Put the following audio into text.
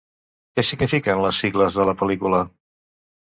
Què signifiquen les sigles de la pel·lícula?